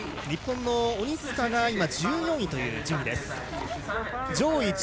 日本の鬼塚が今、１４位という順位。